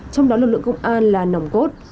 trong đó lực lượng công an là nồng cốt